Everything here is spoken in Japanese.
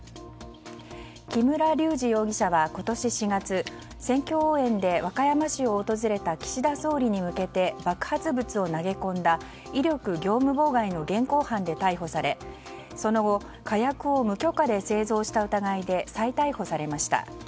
木村隆二容疑者は今年４月選挙応援で和歌山市を訪れた岸田総理に向けて爆発物を投げ込んだ威力業務妨害の現行犯で逮捕されその後、火薬を無許可で製造した疑いで再逮捕されました。